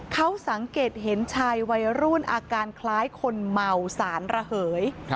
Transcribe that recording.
เขาสังเกตเห็นชายวัยรุ่นอาการคล้ายคนเมาสารระเหย